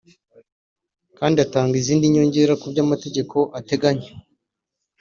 kandi atanga izindi nyongera ku byo amategeko ateganya